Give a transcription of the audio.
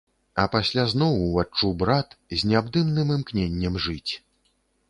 А пасля зноў уваччу брат з неабдымным імкненнем жыць.